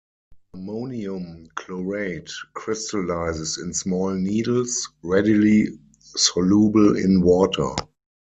Ammonium chlorate crystallizes in small needles, readily soluble in water.